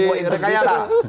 oh bukan bagian dari rekayasa